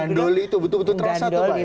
kendoli itu betul betul terasa tuh pak ya